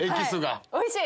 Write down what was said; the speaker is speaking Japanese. おいしい！